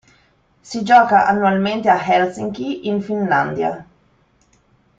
Si gioca annualmente a Helsinki in Finlandia.